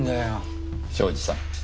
庄司さん